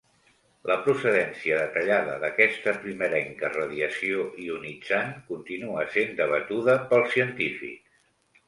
La procedència detallada d'aquesta primerenca radiació ionitzant continua sent debatuda pels científics.